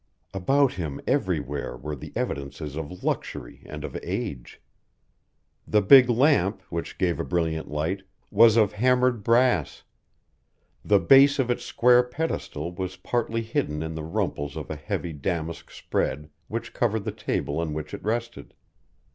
About him, everywhere, were the evidences of luxury and of age. The big lamp, which gave a brilliant light, was of hammered brass; the base of its square pedestal was partly hidden in the rumples of a heavy damask spread which covered the table on which it rested.